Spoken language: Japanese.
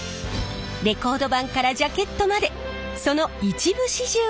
レコード盤からジャケットまでその一部始終をお見せします！